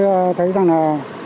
tôi thấy rằng là